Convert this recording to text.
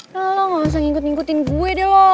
ya lo ga usah ngikutin gue deh lo